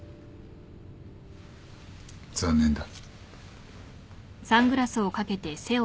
残念だ。